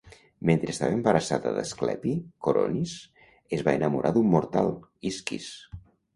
Mentre estava embarassada d'Asclepi, Coronis es va enamorar d'un mortal, Isquis.